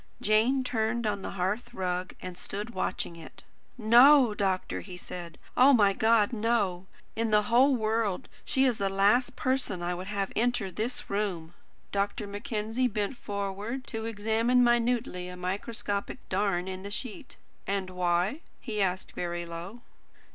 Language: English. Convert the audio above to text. Jane turned on the hearth rug, and stood watching it. "No, doctor," he said. "Oh, my God, no! In the whole world, she is the last person I would have enter this room!" Dr. Mackenzie bent forward to examine minutely a microscopic darn in the sheet. "And why?" he asked very low.